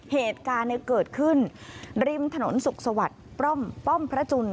เหตุการณ์เกิดขึ้นริมถนนสุขสวัสดิ์ป้อมพระจุล